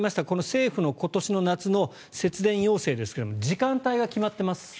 政府の今年の夏の節電要請ですが時間帯が決まっています。